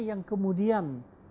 yang kemudian datang di daerah ini